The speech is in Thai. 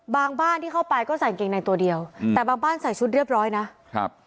บ้านที่เข้าไปก็ใส่เกงในตัวเดียวอืมแต่บางบ้านใส่ชุดเรียบร้อยนะครับ